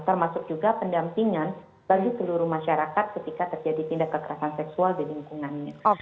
termasuk juga pendampingan bagi seluruh masyarakat ketika terjadi tindak kekerasan seksual di lingkungannya